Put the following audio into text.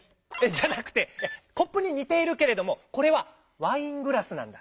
じゃなくてコップににているけれどもこれは「ワイングラス」なんだ。ね。